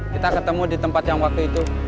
kita ketemu di tempat yang waktu itu